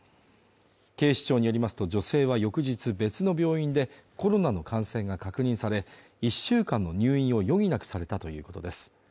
警視庁によりますと女性は翌日別の病院でコロナの感染が確認され１週間の入院を余儀なくされたということです。